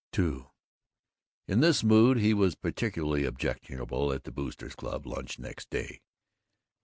II In this mood he was particularly objectionable at the Boosters' Club lunch next day.